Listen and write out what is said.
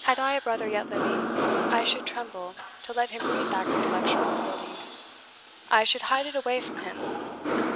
Had I a brother yet living, I should tremble to let him read Thackeray's lecture on Fielding. I should hide it away from him.